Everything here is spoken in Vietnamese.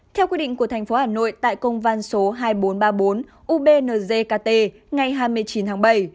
theo quy định của thành phố hà nội tại công văn số hai nghìn bốn trăm ba mươi bốn ubnzkt ngày hai mươi chín tháng bảy